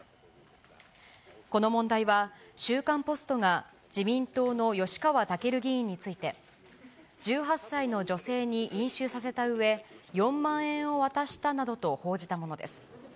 この問題は、週刊ポストが自民党の吉川赳議員について、１８歳の女性に飲酒させたうえ、４万円を渡したなどと報じたものです。